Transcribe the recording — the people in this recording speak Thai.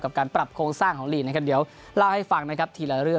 การปรับโครงสร้างของลีกนะครับเดี๋ยวเล่าให้ฟังนะครับทีละเรื่อง